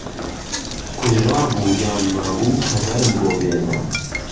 کوژرا بوو یان مابوو خهبهرم بۆ بێنه